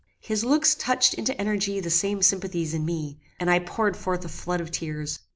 His looks touched into energy the same sympathies in me, and I poured forth a flood of tears.